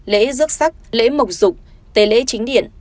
lễ dước sắc lễ mộc rục tế lễ chính điện